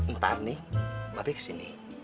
ntar nih mbak be kesini